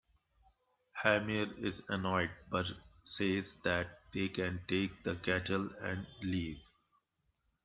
Hymir is annoyed but says that they can take the kettle and leave.